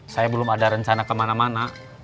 saya belum ada rencana kemana mana